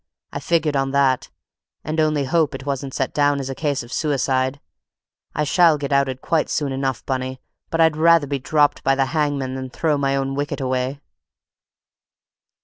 I figured on that, and only hope it wasn't set down as a case of suicide. I shall get outed quite soon enough, Bunny, but I'd rather be dropped by the hangman than throw my own wicket away."